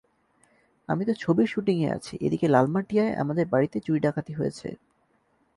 আমি তো ছবির শুটিংয়ে আছি, এদিকে লালমাটিয়ায় আমাদের বাড়িতে চুরি-ডাকাতি হয়েছে।